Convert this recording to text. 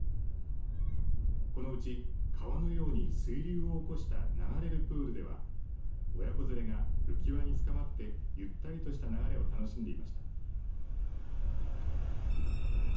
このうち、川のように水流を起こした流れるプールでは親子連れが浮き輪につかまってゆったりとした流れを楽しんでいました。